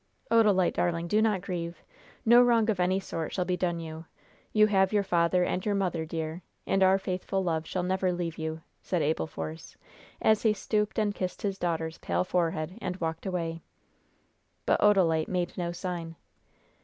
"Odalite, darling, do not grieve. No wrong of any sort shall be done you. You have your father and your mother, dear, and our faithful love shall never leave you," said Abel Force, as he stooped and kissed his daughter's pale forehead, and walked away. But Odalite made no sign.